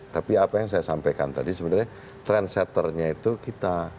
tapi apa yang saya sampaikan tadi sebenarnya trendsetternya itu kita